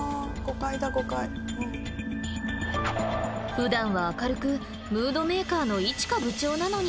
ふだんは明るくムードメーカーの一奏部長なのに。